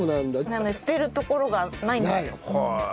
なので捨てるところがないんですよ。へえ。